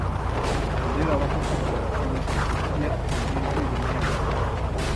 Tolera bajas temperaturas, la sequía, el viento y la nieve.